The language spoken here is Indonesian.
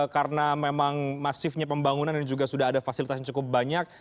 karena memang masifnya pembangunan ini juga sudah ada fasilitas yang cukup banyak